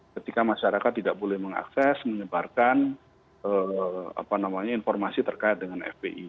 ketika masyarakat tidak boleh mengakses menyebarkan informasi terkait dengan fpi